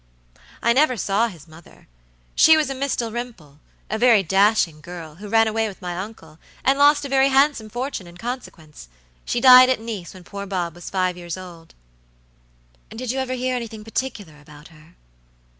"I never saw his mother. She was a Miss Dalrymple, a very dashing girl, who ran away with my uncle, and lost a very handsome fortune in consequence. She died at Nice when poor Bob was five years old." "Did you ever hear anything particular about her?"